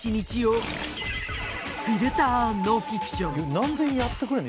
なんでやってくれるの？